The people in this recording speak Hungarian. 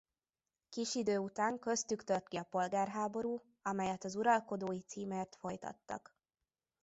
Kis idő után köztük tört ki a polgárháború amelyet az uralkodói címért folytattak.